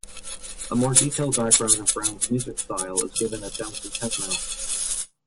A more detailed background of Brown's music style is given at bouncy techno.